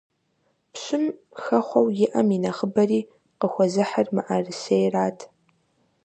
Пщым хэхъуэу иӀэм и нэхъыбэри къыхуэзыхьыр мыӀэрысейрат.